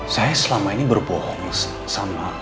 saya selama ini berbohong sama